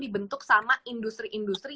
dibentuk sama industri industri